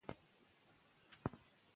علم په پښتو تدریس کېږي.